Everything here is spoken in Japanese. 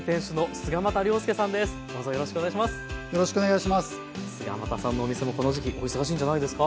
菅又さんのお店もこの時期お忙しいんじゃないですか？